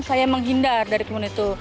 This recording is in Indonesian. saya menghindar dari kebun itu